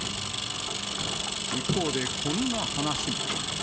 一方で、こんな話も。